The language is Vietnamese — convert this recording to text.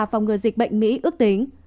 phòng ngừa dịch bệnh mỹ ước tính